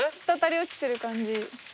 滴り落ちてる感じ。